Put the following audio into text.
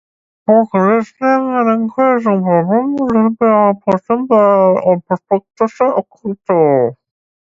Poor conditioning, an increasing problem, let him be outpointed by prospect Ossie Ocasio.